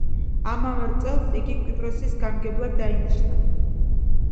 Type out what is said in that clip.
ამავე წელს იგი კვიპროსის გამგებლად დაინიშნა.